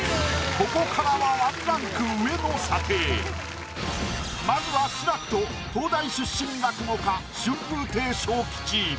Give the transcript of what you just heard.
ここからはまずは志らくと東大出身落語家春風亭昇吉。